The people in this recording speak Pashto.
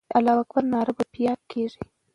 د الله اکبر ناره به بیا کېږي.